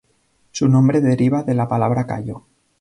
Su nombre deriva de la palabra cayo.